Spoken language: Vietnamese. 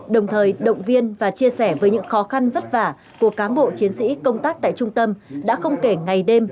đồng thời động viên và chia sẻ với những khó khăn vất vả của cán bộ chiến sĩ công tác tại trung tâm đã không kể ngày đêm